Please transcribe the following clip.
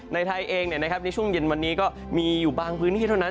ไทยเองในช่วงเย็นวันนี้ก็มีอยู่บางพื้นที่เท่านั้น